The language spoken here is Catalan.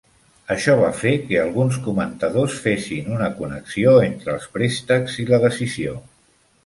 Això va fer que alguns comentadors fessin una connexió entre els préstecs i la decisió.